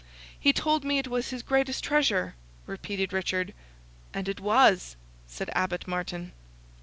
"He told me it was his greatest treasure!" repeated Richard. "And it was!" said Abbot Martin.